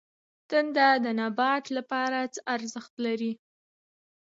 تنه د نبات لپاره څه ارزښت لري؟